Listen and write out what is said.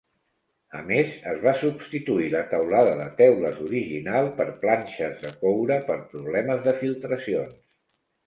A més, es va substituir la teulada de teules original per planxes de coure per problemes de filtracions.